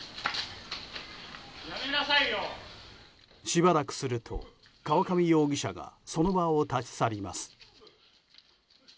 しばらくすると河上容疑者がその場を立ち去ります。